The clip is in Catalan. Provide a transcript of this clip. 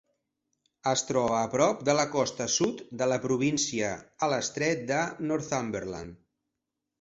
Es troba a prop de la costa sud de la província a l'estret de Northumberland.